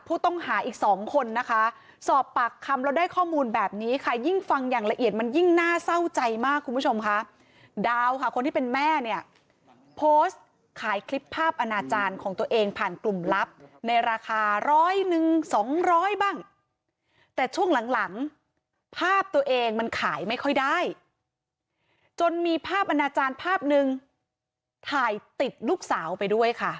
ผู้ต้องหาอีกสองคนนะคะสอบปากคำแล้วได้ข้อมูลแบบนี้ค่ะยิ่งฟังอย่างละเอียดมันยิ่งน่าเศร้าใจมากคุณผู้ชมค่ะดาวค่ะคนที่เป็นแม่เนี่ยโพสต์ขายคลิปภาพอนาจารย์ของตัวเองผ่านกลุ่มลับในราคาร้อยหนึ่งสองร้อยบ้างแต่ช่วงหลังหลังภาพตัวเองมันขายไม่ค่อยได้จนมีภาพอนาจารย์ภาพหนึ่งถ่ายติดลูกสาวไปด้วยค่ะ